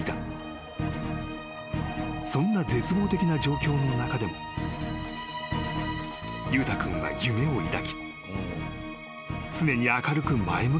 ［そんな絶望的な状況の中でも裕太君は夢を抱き常に明るく前向きだったという］